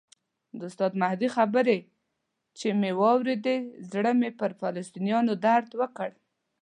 د استاد مهدي خبرې چې مې واورېدې زړه مې پر فلسطینیانو درد وکړ.